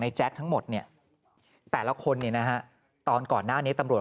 แจ๊คทั้งหมดเนี่ยแต่ละคนเนี่ยนะฮะตอนก่อนหน้านี้ตำรวจ